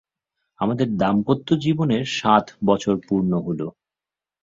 আমাদের দাম্পত্য জীবনের সাত বছর পূর্ণ হলো।